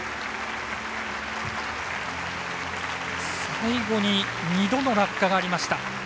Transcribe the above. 最後に２度の落下がありました。